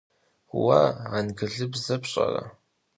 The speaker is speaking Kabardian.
Vue angılıbze pş'ere?